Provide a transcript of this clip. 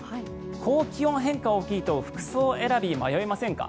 こう気温の変化が大きいと服装選び、迷いませんか？